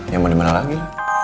ya mau dimana lagi